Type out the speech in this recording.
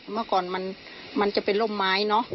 เมื่อก่อนมันจะเป็นร่มไม้เนอะ